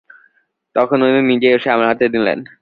তখন উনি নিজে এসে আমার হাতে দিলেন।